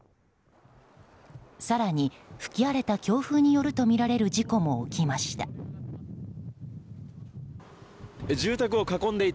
更に吹き荒れた強風によるとみられる事故も起きました。